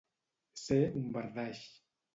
Ser un bardaix.